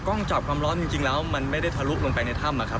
กล้องจับความร้อนจริงแล้วมันไม่ได้ทะลุกลงไปในถ้ำ